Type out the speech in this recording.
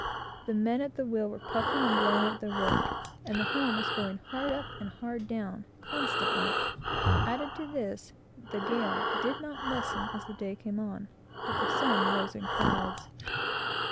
The men at the wheel were puffing and blowing at their work, and the helm was going hard up and hard down, constantly. Add to this, the gale did not lessen as the day came on, but the sun rose in clouds.